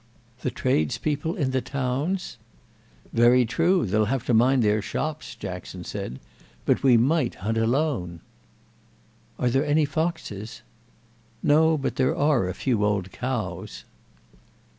"The tradespeople in the towns?" "Very true—they'll have to mind their shops," Jackson said. "But we might hunt alone." "Are there any foxes?" "No, but there are a few old cows."